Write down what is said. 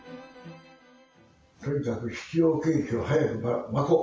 とにかく必要経費を早くまこう。